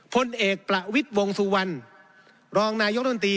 พลเอกประวิทย์วงสุวรรณรองนายกรรมตรี